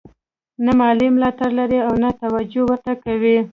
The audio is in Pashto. نه مالي ملاتړ لري او نه توجه ورته کوي.